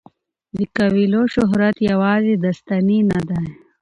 د کویلیو شهرت یوازې داستاني نه دی.